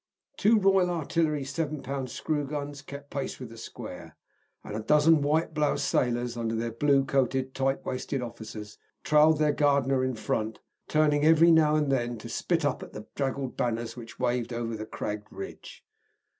Two Royal Artillery 7 lb. screw guns kept pace with the square, and a dozen white bloused sailors, under their blue coated, tight waisted officers, trailed their Gardner in front, turning every now and then to spit up at the draggled banners which waved over the cragged ridge.